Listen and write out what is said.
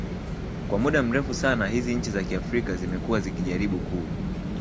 kwa muda mrefu sana hizi nchi za kiafrika zimekuwa zikijaribu kuu